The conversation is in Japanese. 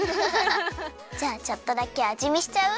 じゃあちょっとだけあじみしちゃう？